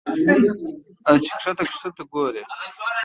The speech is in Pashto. اې چې ښکته ښکته ګورې